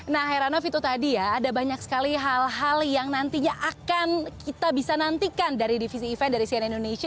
nah heranov itu tadi ya ada banyak sekali hal hal yang nantinya akan kita bisa nantikan dari divisi event dari cnn indonesia